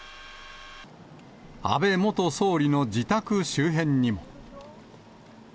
安倍元総理の自宅周辺にも。